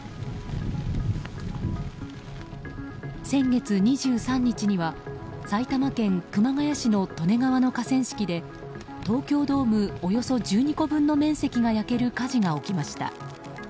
先月２３日には埼玉県熊谷市の利根川の河川敷で東京ドームおよそ１２個分の面積が焼ける火事が起きました。